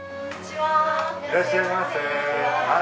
いらっしゃいませ。